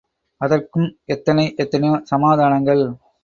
அதற்கும் எத்தனை எத்தனையோ சமாதானங்கள்.